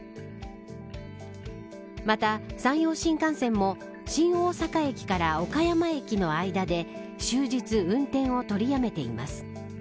また、山陽新幹線も新大阪駅から岡山駅の間で終日運転を取りやめています。